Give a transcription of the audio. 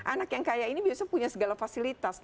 anak yang kaya ini biasanya punya segala fasilitas